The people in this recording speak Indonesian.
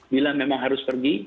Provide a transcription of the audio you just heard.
bila memang harus pergi